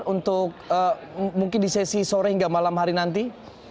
untuk mungkin di sesi sore hingga malam hari nanti